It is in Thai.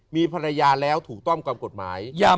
มีภรรยาแล้วถูกต้องตามกฎหมาย